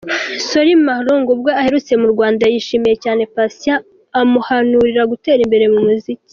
Solly Mahlangu ubwo aherutse mu Rwanda yashimiye cyane Patient amuhanurira gutera imbere mu muziki.